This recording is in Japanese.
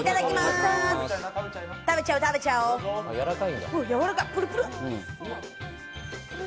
やわらかい。